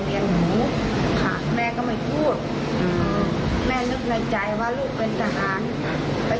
เดินทางมาคนเดียวเหรอคะคุณแม่